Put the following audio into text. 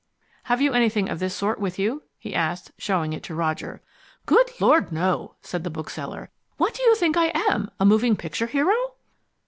"Have you anything of this sort with you?" he said, showing it to Roger. "Good Lord, no," said the bookseller. "What do you think I am, a moving picture hero?"